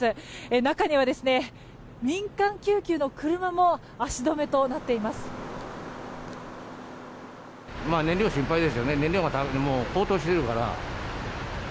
中には民間救急の車も足止めとなっています。